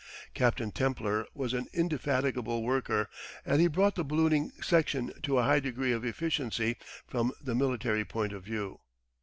Captain Templer was an indefatigable worker and he brought the ballooning section to a high degree of efficiency from the military point of view.